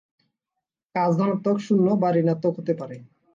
কাজ ধনাত্মক, শূন্য বা ঋণাত্মক হতে পারে।